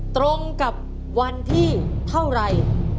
ตรงกับวันที่เท่าไร